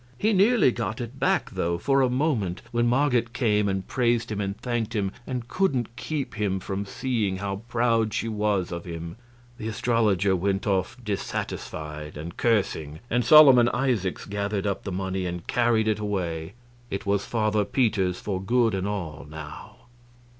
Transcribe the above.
He nearly got it back, though, for a moment when Marget came and praised him and thanked him and couldn't keep him from seeing how proud she was of him. The astrologer went off dissatisfied and cursing, and Solomon Isaacs gathered up the money and carried it away. It was Father Peter's for good and all, now.